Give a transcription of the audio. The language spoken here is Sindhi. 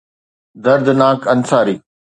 دردناڪ انصاري